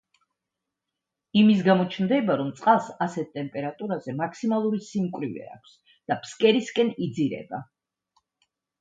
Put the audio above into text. იმის გამო ჩნდება, რომ წყალს ასეთ ტემპერატურაზე მაქსიმალური სიმკვრივე აქვს და ფსკერისკენ „იძირება“.